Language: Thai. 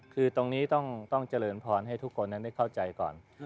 คือตรงนี้ต้องเจริญพรให้ทุกคนนั้นได้เข้าใจก่อน